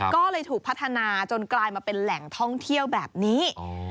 ก็เลยถูกพัฒนาจนกลายมาเป็นแหล่งท่องเที่ยวแบบนี้